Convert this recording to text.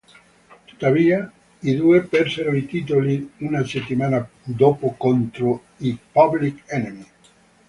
Tuttavia, i due persero i titoli una settimana dopo contro i Public Enemy.